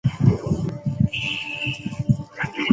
南昆虾脊兰为兰科虾脊兰属下的一个种。